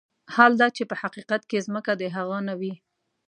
حال دا چې په حقيقت کې ځمکه د هغه نه وي.